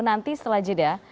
nanti setelah jeda